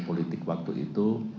politik waktu itu